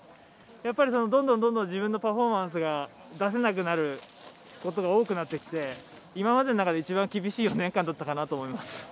やっぱりどんどんどんどん自分のパフォーマンスが出せなくなることが多くなってきて、今までの中で一番厳しい４年間だったかなと思います。